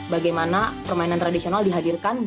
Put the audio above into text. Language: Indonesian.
bagaimana permainan tradisional dihadirkan